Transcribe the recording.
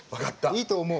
いいと思う。